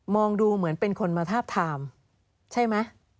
ดูเหมือนเป็นคนมาทาบทามใช่ไหม